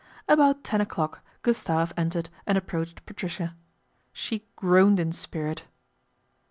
About ten o'clock Gustave entered and ap >roached Patricia. She groaned in spirit.